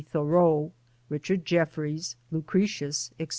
Thoreau, Richard Jefferies, Lucretius, etc.